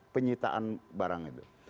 penyitaan barang itu